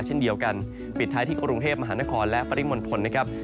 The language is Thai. เช่นเดียวกันปิดท้ายที่กรุงเทพมหานครและปริมณฑลนะครับ